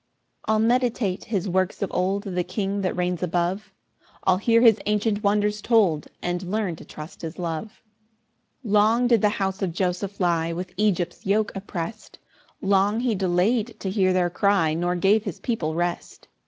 2 I'll meditate his works of old; The King that reigns above; I'll hear his ancient wonders told, And learn to trust his love. 3 Long did the house of Joseph lie With Egypt's yoke opprest: Long he delay'd to hear their cry, Nor gave his people rest.